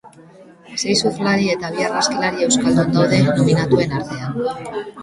Sei surflari eta bi argazkilari euskaldun daude nominatuen artean.